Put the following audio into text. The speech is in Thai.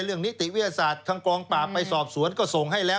นิติวิทยาศาสตร์ทางกองปราบไปสอบสวนก็ส่งให้แล้ว